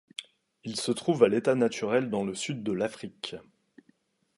Il se trouve à l'état naturel dans le Sud de l'Afrique.